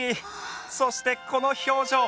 そしてこの表情。